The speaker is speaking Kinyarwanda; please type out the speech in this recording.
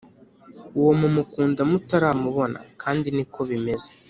Uwo mumukunda mutaramubona kandi niko bimeze